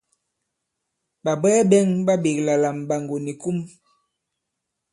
Ɓàbwɛɛ bɛ̄ŋ ɓa ɓēkla la Mɓàŋgò ni Kum.